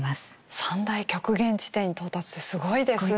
三大極限地点に到達ってすごいですね。